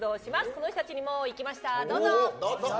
この人たちにも行きました！